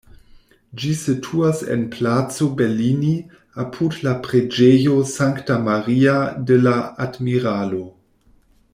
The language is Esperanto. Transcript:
Ĝi situas en Placo Bellini, apud la Preĝejo Sankta Maria de la Admiralo.